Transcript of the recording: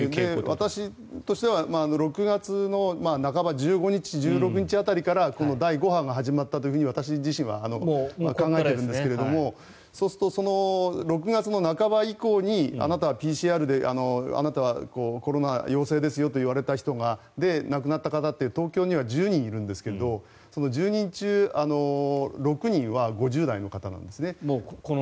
私としては６月の半ば１５日、１６日辺りからこの第５波が始まったと私は考えているんですがそうすると６月半ば以降にあなたはＰＣＲであなたはコロナ陽性ですよと言われて亡くなった方って東京には１０人いるんですがその１０人中６人は５０代の方なんですね。